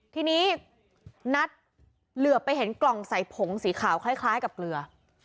ทีนี้นัทเหลือไปเห็นกล่องใส่ผงสีขาวคล้ายกับเกลือ